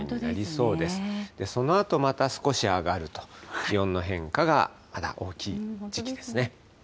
そのあとまた少し上がると、気温の変化がまだ大きい時期ですね。